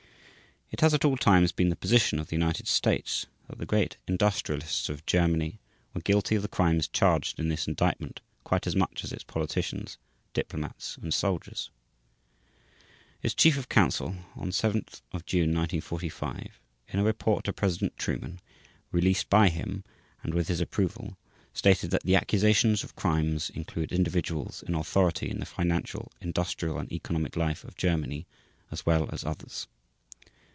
It has at all times been the position of the United States that the great industrialists of Germany were guilty of the crimes charged in this Indictment quite as much as its politicians, diplomats, and soldiers. Its chief of counsel, on 7 June 1945, in a report to President Truman, released by him and with his approval, stated that the accusations of crimes include individuals in authority in the financial, industrial, and economic life of Germany as well as others.